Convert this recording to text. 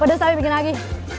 pedas tapi bikin lagi